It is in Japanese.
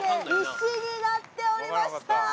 石になっておりました！